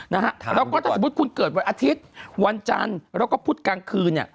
แล้วก็ถ้าสมมุติคุณเกิดวันอาทิตย์วันจันทร์แล้วก็พุธกลางคืนเนี่ย